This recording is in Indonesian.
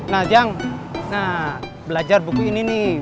nah jang belajar buku ini nih